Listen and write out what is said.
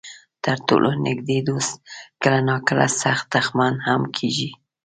تر ټولو نږدې دوست کله ناکله سخت دښمن هم کېږي.